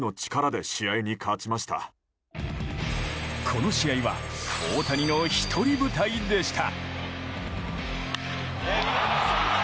この試合は大谷のひとり舞台でした。